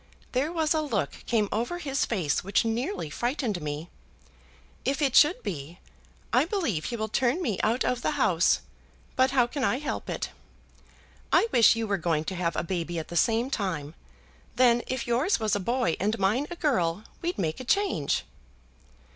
There was a look came over his face which nearly frightened me. If it should be, I believe he will turn me out of the house; but how can I help it? I wish you were going to have a baby at the same time. Then, if yours was a boy and mine a girl, we'd make a change."